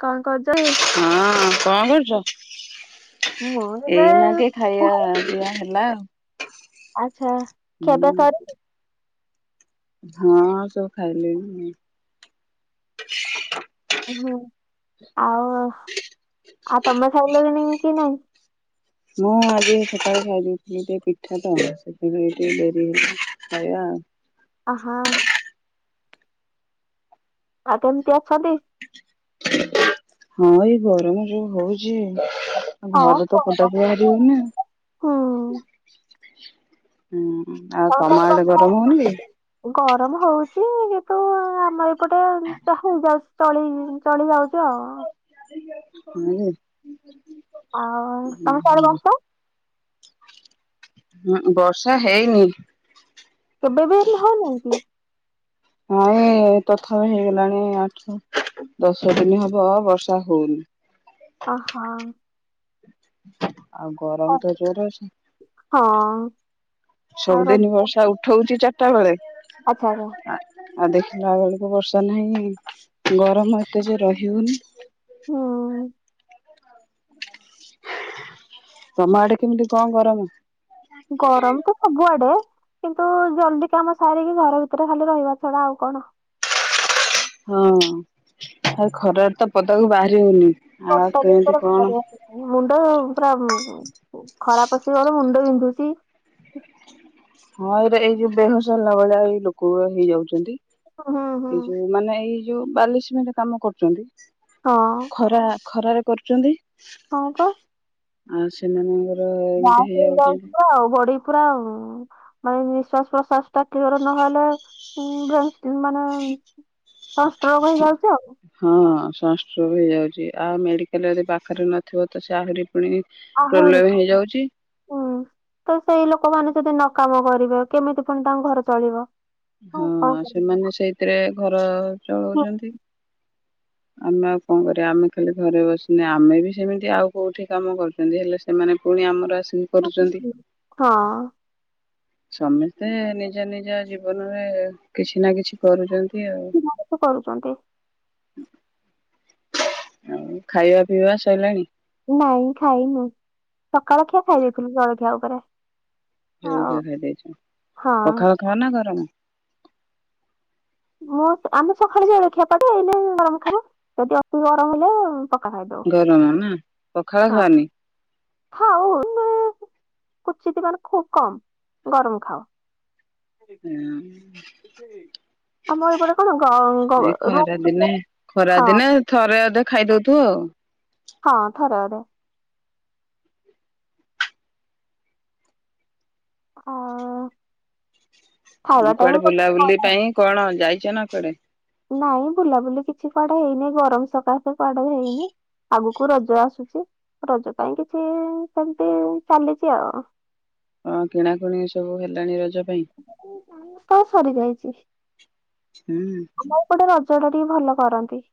କଣ କରୁଛ କି? ହଁ କଣ କରୁଛ? ମୁଁ ଏବେ ଏଇନା କେ ଖାଇବା ପିଇବା ହେଲା ଆଉ ଆ ଚ୍ଛା ଖିଆ ପିଆ ହୁଁ ସରି ହଁ ସବୁ ଖାଇଲେଣି। ଓହୋ। ଆଉ ଆଉ ତମେ ଖାଇଲାଣି କି ନାହିଁ? ମୁଁ ଆଜି ସକାଳେ ଖାଇଦେଇଥିଲି ଟିକେ ପିଠା ତ ସେଥିପାଇଁ ଟିକେ ଡେରି ହେଲା ଖାଇବା ଆଉ। ଅ ହ। ଆପଣ କିଏ ଅଛନ୍ତି? ହଁ ଏଇ ଗରମ ଯୋଉ ହଉଛି ହଁ ଘରୁ ତ ଗରମ ପଦାକୁ ବାହାରି ହଉନି ଆଉ ହୁଁ। । ହୁଁ। ଆଉ ତମ ସିଆଡେ ଆଡେ ବର୍ଷା ଗରମ ହଉନି କି? ଗରମ ହଉଛି କିନ୍ତୁ ଆମ ଏପ୍ ପଟେ ଯାହା ହଉ ବାସ୍ ଚଳି ଚଳି ଯାଉଛି ଆଉ । ହୁଁ। ଆଉ ତମେ ଆଡେ ବର୍ଷା? ବର୍ଷା ହେଇନି । କେବେ ବି ହେଲେ ହଉ ନାହିଁ କି? ହଁ ଏ ତଥାପି ହେଇଗଲାଣି ଆଠ ଦଶ ଦିନ ହବ ବର୍ଷା ହଉନି । ଅ ହଁ । [unintelligible] ଆଉ ଗରମ ତ ଜୋର ଅଛି, ହଁ ଆଉ ରଜ ସବୁଦିନ ବର୍ଷା ଉଠଉଛି ଚାର କେତେବେଳେ? ଆଚ୍ଛା ଆଚ୍ଛା । ଆଉ ଦେଖିଲା ବେଳକୁ ବର୍ଷା ନାହିଁ ଗରମ ଏତେ ଯେ ରହିିହଉନି। ହୁଁ। [unintelligible] ତମ ଆଡେ କେମିତି କଣ ଗରମ? ଗରମ ତ ସବୁଆଡେ । କିନ୍ତୁ ଜଲଦି କାମ ସାରିକି ଘର ଭିତରେ ଖାଲି ରହିବା ଛଡା ଆଉ କଣ । ହଁ ଆଉ ଖରାରେ ତ ପଦାକୁ ବାହାରି ହଉନି । [unintelligible] ମୁଣ୍ଡ ପୁରା। ଖରାପ ଆସିବର ମୁଣ୍ଡ ବିନ୍ଧୁଚି । ହଁ ଏଇଟ ଏଇ ଯୋଉ ବେହୋସ ହେଲା ଭଳିଆ ଏଇ ଲୋକ ହେଇଯାଉଚନ୍ତି ହୁଁ ହୁଁ। । ଏଇ ଯଉ ମାନେ ଏଇ ଯଉ ବାଲି ସିମେଣ୍ଟ କାମ କରୁଚନ୍ତି । ହଁ । ଖରାରେ କରୁଚନ୍ତି। କଣ କ ଆଉ ସେମାନଙ୍କ ଗାଁକୁ ଯାଉଥିବ ଆଉ ବଡି ପୁରା ମାନେ ନିଶ୍ଵାସ ପ୍ରଶ୍ଵାସ ଟା କ୍ଲିୟର ନହେଲେ ଉ ମାନେ ସଂଷ୍ଟ୍ରୋକ ହେଇଯାଉଚି। ହଁ। ସଂଷ୍ଟ୍ରକ ହେଇଯାଉଚି। ଆଉ ମେଡ଼ିକାଲ ଯଦି ପାଖରେ ନଥିବ ତ ସେ ଆହୁରି ପୁଣି ଆହୁରି ପ୍ରୋବ୍ଲେମ ଖ ହେଇଯାଉଛି ତ ସେଇ ଲୋକମାନେ ଯଦି ନ କାମ କରିବେ କେମିତି ପୁଣି ତାଙ୍କ ଘର ଚଳିବ? ହଁ କଣ କରିବି ସେମାନେ ସେଇଥିରେ ଘର ଚଲଉଛନ୍ତି। ଆମେ ଆଉ କଣ କରିବା ଆମେ ଖାଲି ଘରେ ବସିନି ଆମେ ବି ସେମିତି ଆଉ କୋଉଠି କାମ କରୁଚନ୍ତି ହେଲେ ସେମାନେ ପୁଣି ଆମର ଆସ ହଁ। ସମସ୍ତେ ନିଜ ନିଜ ଜୀବନରେ କିଛି ନା କିଛି କରୁଚନ୍ତି। [unintelligible] କରୁଛନ୍ତି। ଆଉ ଖାଇବା ପିଇବା ସରିଲାଣି? ନାଇଁ ଖାଇନୁ। ସକାଳ ଖିଆ ଖାଇ ଦେଇଥିଲୁ ଜଳଖିଆଉ। ଉପରେ ଆଉ ଜଳଖିଆ ଖାଇ ଦେଇଚ। ହଁ ପଖାଳ ଖାଅ ନା ଗରମ? ମୁଁ ଆମେ ସକାଳେ ଜଳଖିଆ ପଡ଼େ। ଏଇଲେ ଗରମ ଖାଇବ, ଏବେ ଅତି ଗରମ ହେଲେ ପକା ଖାଇଦଉ ଗରମ ନା ପଖାଳ ହଁ ଖାଅନି? ଖାଉ କିନ୍ତୁ କୁଚିତ ମାନେ ଖୁବ କମ୍ ଗରମ ଖାଉ। ହୁଁ। ଏ ଆମ ଏପଟେ କଣ? ଗ ଗ ଏଇ ଖରା ରୁମ ଦିନେ ଖରା ହଁ ଦିନେ ଥରେ ଅଧେ ଖାଇଦଉଥୁ ଆଉ। ହଁ ଥରକରେ ହଁ। ହଁ କୁଆଡେ ବୁଲାବୁଲି ପାଇଁ କଣ ଯାଇ ଯାଇଚନ କୁଆଡେ? ନାଇଁ ବୁଲାବୁଲି କିଛି କୁଆଡେ ହେଇନାହିଁ ଗରମ ସକାଶେ କୁଆଡେ ହେଇନି। ଆଗକୁ ରଜ ଆସୁଛି ରଜ ପାଇଁ କିଛି ସେମିତି ଚାଲିଛି ଆଉ । ହଁ କିଣାକଣି ସବୁ ହେଲାଣି ରଜ ପାଇଁ? ସରିଯାଇଛି । [inaudible] ହୁଁ ଟ ଟିକେ ଭଲ କରନ୍ତି ।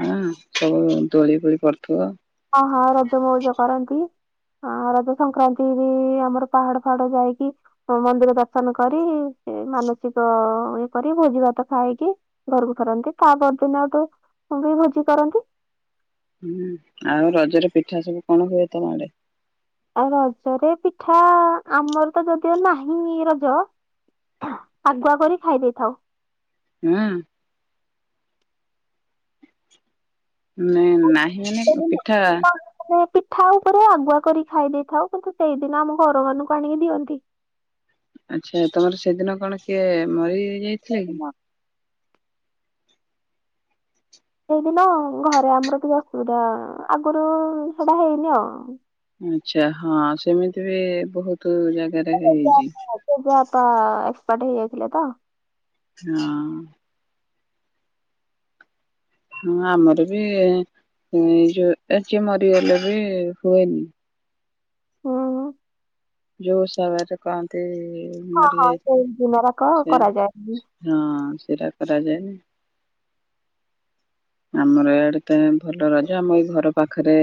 ହଁ ସବୁ ଦୋଳି ଫୋଳି କରୁଥିବ । ହଁ ହଁ ରଜ ମଉଜ କରନ୍ତି ଆ ରଜ ସଂକ୍ରାନ୍ତି ବି ଆମର ପାହାଡ ଫାହାଡ ଯାଇକି ମନ୍ଦିର ଦର୍ଶନ କରି ମାନସିକ ଇଏ କରି ଭୋଜି ଭାତ ଖାଇକି ଘରକୁ ଫେରନ୍ତି ତା ପରଦିନ ତୁ ବି ଭୋଜି କରନ୍ତି । ହୁଁ ଆଉ ରଜରେ ପିଠା ସବୁ କଣ ହୁଏ ତମ ଆଡେ ଆଉ ରଜରେ ପିଠା ଆମର ତ ଯଦିଓ ନାହିଁ ରଜ ଆଗୁଆ କରି ଖାଇ ଦେଇଥାଉ । ହଁ ନ ନାହିଁ ମାନେ ପିଠା ଠା ଉପରେ ଆଗୁଆ କରି ଖାଇ ଦେଇଥାଉ କିନ୍ତୁ ସେଇଦିନ ଆମ ଘର ମାନଙ୍କୁ ଆଣିକି ଦିଅନ୍ତି । ଆଚ୍ଛା ତମର ସେଦିନ କଣ କିଏ ମରି ଯାଇଥିଲଥିଲା କିି ସେଦିନ ସେଇଦିନ ଘରେ ଆମର ଟିକେ ଅସୁବିଧା ଆଗରୁ ସେଟା ହେଇନି ଆଉ ଆଛା ହଁ ସେମିତି ବି ବହୁତ ଜାଗାରେ ପ ହେଇଛି ସେପ [inaudible] ଟ ହେଇଯାଇଥିଲେ ତ ହଁ । ହଁ ଆମର ବି ଏଇ ଯୋଉ ଯିଏ ମରିଗଲେ ବି ହୁଏନି । ହଁ । ଜଉ ସବ ଟ କନ୍ତି [unintelligible] ଜେ ହଁ ହଁ ମରିଯାଇଛି ସେଇ ଦିନ ଯାକ ସେ କରାଯାଏ। ହଁ ସେଇଟା କରାଯାଏନି । ଆମର ଏଇଆଡେ ତ ଭଲ ରଜ ଆମ ଏଇ ଘର ପାଖରେ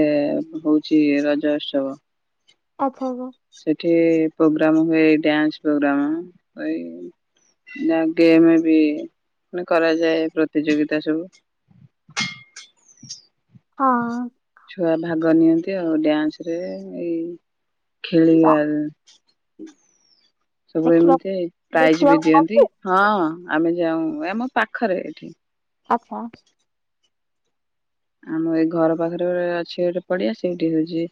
ହଉଚି ରଜ ଉତ୍ସବ ଆଚ୍ଛା । ଆଚ୍ଛା ସେଠି ପ୍ରୋଗ୍ରାମ୍ ହୁଏ ଡ୍ୟାନ୍ସ୍ ପ୍ରୋଗ୍ରାମ୍ ଏ ଗେମ୍ ବି ମାନେ କରାଯାଏ ପ୍ରତିଯୋଗିତା ସବୁ । ହଁ ଛୁଆ ଭାଗ ନିଅନ୍ତି ଆଉ ଡ୍ୟାନ୍ସ ରେ ଏଇ ଯା- ଖେଳିବା ସବୁ ଦେଖିବା ଏମିତି ପ୍ରାଇଜ୍ ବି ଦିଅନ୍ତି ଦେଖିବାକୁ ଅଛି ହଁ । ଆମେ ଯାଉ ଆମ ପାଖରେ ଏଠି ଆଚ୍ଛା ଆମ ଏଇ ଘର ପାଖରେ ଗୋ ଅଛି ଗୋଟେ ପଡିଆ ସେଇଠି ହଉଛି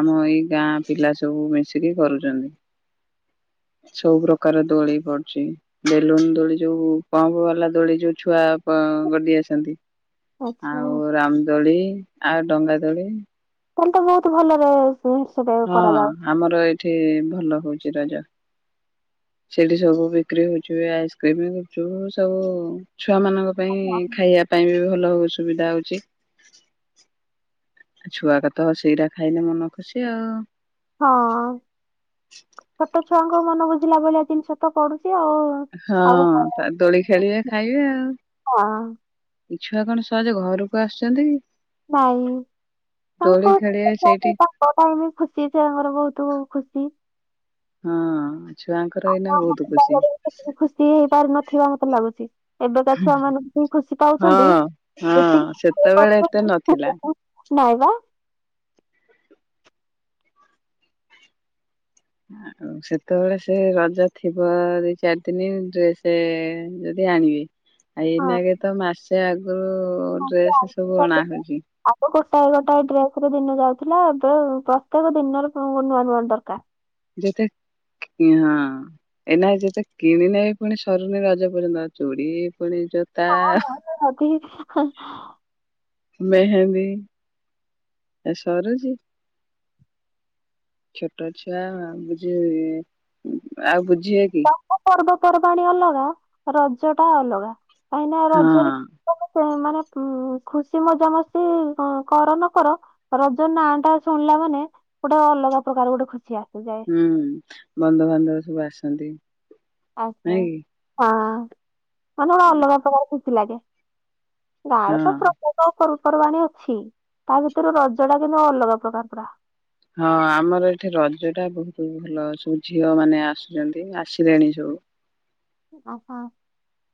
ଆମ ଏଇ ଗାଁ ପିଲା ସବୁ ମିଶିକି କରୁଛନ୍ତି ସବୁ ପ୍ରକାର ଦୋଳି ପଡୁଛି ବେଲୁନ ଦୋଳି ଯୋଉ ପମ୍ପ ବାଲା ଦୋଳି ଯୋଉ ଛୁଆ ଗଡି ଆସନ୍ତି । ଆଚ୍ଛା । ଆଉ ରାମ ଦୋଳି ଆଉ ଡଙ୍ଗା ଦୋଳି ତାହେଲ ତ ବହୁତ ଭଲରେ ସେ- ସେଟା ହଁ କରାଯାଉଛି ଆମର ଏ। ଏଠେ ଭଲ ହଉଛି ରଜା। ସେଠି ସବୁ ବିକ୍ରି ହଉଛି ଆଇସ୍କ୍ରିମ ଗୁପଚୁପ ସବୁ ଛୁଆମାନଙ୍କ ପାଇଁ ଆଉ। ଖାଇବା ପାଇଁ ବି ଭଲ ସୁବିଧା ହଉଛି ଛୁଆ ଗାତ ସେଇଟା ଖାଇଲେ ମନ ଖୁସି ଆଉ। ହଁ ଛୋଟ ଛୁଆଙ୍କ ମନ ବୁଝିଲା ଭଳିଆ ଜିନିଷ ତ ପଡୁଛି। ଆଉ ଆଉ କଣ? ହଁ ଦୋଳି ଖେଳିବେ ଖାଇବେ ଆଉ। ହଁ ଏ ଛୁଆ କଣ ସହଜ ଘରକୁ ଆସୁଛନ୍ତି। ନାଇଁ ଦୋଳି ତାଙ୍କ ଖେଳିବେ ସେଇଠି ତାଙ୍କ ପାଇଁ ବି ଖୁସି ସେଙ୍କର ବହୁତ ଖୁସି। ହୁଁ ଆମ ମ ଖୁସି [unintelligible] ହେଇପାରୁ ନଥିବା ମତେ ଲାଗୁଛି। ଏବେକା ଛୁଆ ମାନଙ୍କୁ ବି ଖୁସି ପାଉଛନ୍ତି ହଁ ହଁ ସେତେବେଳେ ଏତେ ଯେତିକି ନଥିଲା। ନାଇଁ [unintelligible] ବା ଆଉ ସେତେବେଳେ ସେ ରଜ ଥିବ ଦି ଚାରି ଦିନ ଡ୍ରେସ ଯଦି ଆଣିବେ। ଏଇନା ଗେତ ମାସେ ସେ [unintelligible] [unintelligible] [unintelligible] [unintelligible] ଆଉ ଗୋଟାଏ ଗୋଟାଏ ଡ୍ରେସରେ ଦିନ ଯାଉଛି। ପ ଥିଲା ଏବେ ପ୍ରତ୍ୟେକ ଦିନର ନୂଆ ନୂଆ ଦରକାର। ଯେତେ ହଁ ଏ ନାଇ ଯେତେ କିଣିନେ ପୁଣି ସରୁନି ରଜ ପର୍ଯ୍ୟନ୍ତ ଚୁଡ଼ି ପୁଣି ଜୋତା ହଁ ହଁ [unintelligible] ହଁ। ମେହେନ୍ଦି ସରୁଛି। ଛୋଟ ଛୁଆ ବୁଝି ଆଉ ବୁଝୁ ତାଙ୍କ ପର୍ବ ପର୍ବାଣୀ ଅଲଗା ରଜ ଟା ଅଲଗା। କାଇଁନା ହଁ ରଜରେ [unintelligible] ସେ ଖୁସି ମଜାମସ୍ତି କର ନ କର ରଜ ନାଁ ଟା ଶୁଣିଲା ମାନେ ଗୋଟେ ଅଲଗା ପ୍ରକାର ଗୋଟେ ଖୁସିଆ ହୁଁ ବନ୍ଧୁବାନ୍ଧବ ସବୁ ଆସନ୍ତି। ଆଛା ନାଇଁ ହଁ। ଆମର କି ଅଲଗା ପ୍ରକାର ଖୁସି ଲାଗେ ଗାଁ ରେ ହଁ ତ ପ୍ରତ୍ୟେକ ପର୍ବ ପର୍ବାଣୀ ଅଛି। ଅଛି ତା ଭିତରୁ ରଜ ଟା କିନ୍ତୁ ଅଲଗା ପ୍ରକାର ପୁରା। ହଁ ଆମର ଏଠି ରଜ ଟା ବହୁତ ଭଲ ସବୁ ଝିଅ ମାନେ ଆସୁଛନ୍ତି ଆସିଲେଣି ସବୁ। ଓହୋ।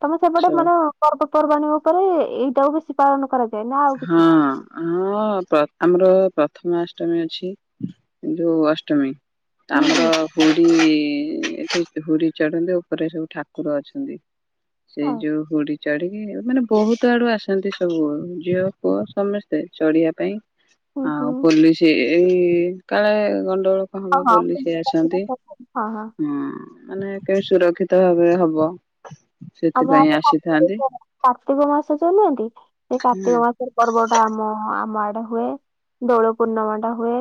ତମ ସେପଟେ ସବୁ ମୋର ପର୍ ପର୍ବାଣୀ ଉପରେ ଏଇଟାକୁ ବେଶୀ ପାଳନ କରାଯା ହଁ ହଁ ପ୍ରଥମ ର ପ୍ରଥ ପ୍ରଥମାଷ୍ଟମୀ ଅଛି ଯୋଉ ଅଷ୍ଟମୀ। ହୁଁ ହୁଁ ତାମର ହୁଣ୍ଡି। ଏଠି ହୁଡ଼ି ଚଢନ୍ତି ଉପରେ ସବୁ ଠାକୁର ଅଛନ୍ତି। ସେଇ ହଁ ଯୋଉ ହୁଡି ଚଢିକି ମାନେ ବହୁତ ଆଡୁ ଆସନ୍ତି ସବୁ। ଝିଅ ପୁଅ ସମସ୍ତେ ଚଢ଼ିବା ପାଇଁ। ହୁଁ ହୁଁ ହଁ ପୋଲିସି ଏଇ କାଳେ ଗ ଗଣ୍ଡଗୋଳ କଣ ହଁ ହବ ହଁ। ବୋଲି ମୁଁ ସେ ବୁଝିପାରିଲି। ଆସନ୍ତି ହଁ ହଁ ଆମ ହଁ। ମାନେ କେ ସୁରକ୍ଷିତ ଭାବରେ ହବ। ଆମ ସେଥିପାଇଁ ଆଡ଼େ ଆସିଥାନ୍ତି। କାର୍ତ୍ତିକ କାର୍ତ୍ତିକ ମାସ ଚାଲନ୍ତି ସେ କା ହୁଁ କାର୍ତ୍ତିକ ମାସରେ ପର୍ବଟା ଆମ ଆମ ଆଡ଼େ ହୁଏ ଦୋଳ ପୂର୍ଣ୍ଣମା ଟା ହୁଏ।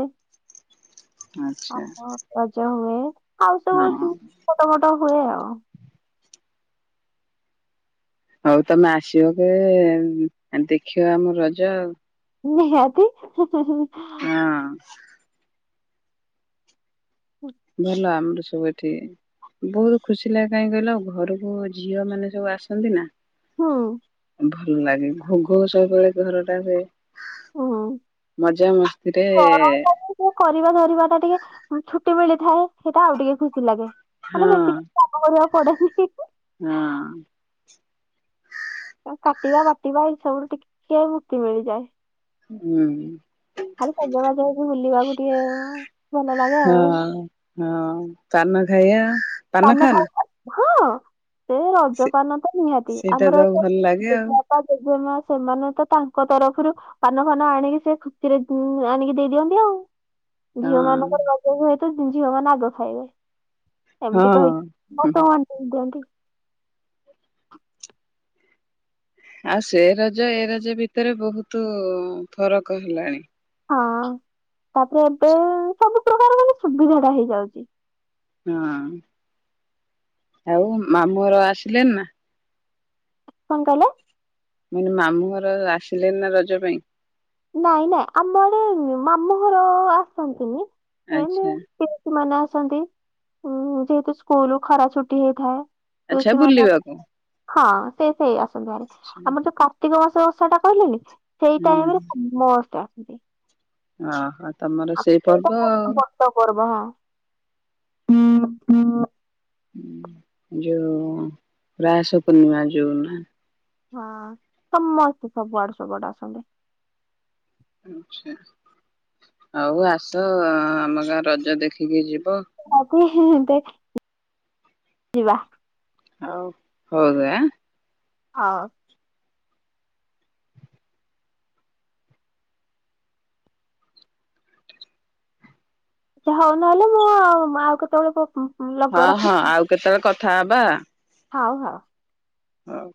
ହଁ ଆଚ୍ଛା ହଁ ରଜ ହୁଏ। ଆଉ ସବୁ ହଁ ଛୋଟ ମୋଟ ହୁଏ ଆଉ। ହଉ ତମେ ଆସିବ କି ଦେଖିବ ଆମ ରଜ। ନିହାତି। [unintelligible] ହଁ। ଭଲ ଆମର। ସବୁ ଏଠି ବହୁତ ଖୁସି ଲାଗେ କାହିଁ କହିଲ ଘରକୁ ଝିଅ ମାନେ ସବୁ ଆସନ୍ତି ନା। ହୁଁ ଭଲ ଲାଗେ ଘୋଘୋ ସବୁବେଳେ ଘରଟା ହୁଏ। ହୁଁ ମଜା ମସ୍ତିରେ ଗରମ [inaudible] ଟିକେ କରିବା ଧରିବାଟା ଟିକେ ଛୁ ଟି ମିଳିଥାଏ ସେଇଟା ଆଉ ଟିକେ ଖୁସି ଲାଗେ। ହଁ ମାନେ ବେଶୀ କାମ କରିବା। [unintelligible] ହଁ କାଟିବା ବାଟିବା ଏଇ ସବୁରୁ ଟିକେ ମୁକ୍ତି ମିଳିଯାଏ। ହୁଁ ଖାଲି ସଜବାଜ ହେଇ ବୁଲିବାକୁ ଟିକେ ଅଁ। ହଁ ହଁ ତାନୁ ଏଇଆ ପାନ ଖା। [unintelligible] ହଁଅଁ ସେ ସେ ରଜପାନ ତ ନିହାତି। ସେଇଟା ତ ଆମର ଏବେ ଭଲ ଲାଗେ ଜେଜେ ଆଉ ବାପା ଜେଜେ ମା ସେମାନେ ତ ତାଙ୍କ ତରଫରୁ ପାନଫାନ ଆଣିକି ସେ ଖୁସିରେ ଦେ ଆଣିକି ଦେଇଦିଅନ୍ତି ଆଉ। ଝିଅ ମାନଙ୍କର ରଜ ହୁଏ। ତ ଝିଅମାନେ ଆଗ ଖାଇବେ। ଏମିତି ହଁ କହିିକି ହଁ। ମତେ [inaudible] ଦିଅନ୍ତି। [inaudible] ଆଉ ସେ ରଜ ଏ ରଜ ଭିତରେ ବହୁତ ଫରକ ହେଲାଣି। ହଁ, ତାପରେ ଏବେ ସବୁ ପ୍ରକାର ମାନେ ସୁବିଧା ଟା ହେଇଯାଉଛି। ହଁ। ଆଉ ମାମୁଁଘର ଆସିଲେନି ନା? କଣ କହିଲ? ମୁଁ କ [inaudible] ମାମୁଁ ଘର ଆସିଲେନି ନା ରଜ ପାଇଁ? ନାଇଁ ନାଇଁ ଆମ ଆଡେ ମାମୁଁ ଘର ଆସନ୍ତିନି। ଏମିତି ଆଚ୍ଛା ପିଇସୀମାନେ ଆସ୍ ଆସନ୍ତି ଯେହେତୁ ସ୍କୁଲ ଖରା ଛୁଟି ହେଇଥାଏ। ଆଚ୍ଛା ପିଉସୀ ମାନେ ବୁଲିବାକୁ। ହଁ ସେ ସେୟା। [unintelligible] ଆମର ଯୋଉ କାର୍ତ୍ତିକ ମାସ। ତ ସେଟା କହିଲେନି। ସେଇ ଟାଇମ ରେ। ମସ୍ତ ଆସିଛି। ଅହଁ। ତମର ସେଇ ପର୍ବ ଆଉ ହୁଁ ହୁଁ। ଉଁ ଯୋଉ ରାଆଶ ପୂର୍ଣ୍ଣିମା ଯୋଉ ନା। ହଁ ସମସ୍ତେ ସବୁଆଡୁ ସବୁଆଡୁ ଆସନ୍ତି। ଆଛା ହଉ ଆସ ଆମ ଗାଁ ରଜ ଦେଖିକି ଯିବ। [unintelligible] ଯିବା। ହଉ ହଉଦେ ହଉ। ଯା ହଉ ନହେଲେ ମୁଁ ଆଉ ଆଉ କେତେବେଳେ [unintelligible] ହଁ ହଁ ଆଉ କେତେବେଳେ କଥ୍ ଥା ହବାଲ ହଉ ହଉ। ହଁ।